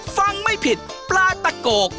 ฟังไม่ผิดปลาตะโก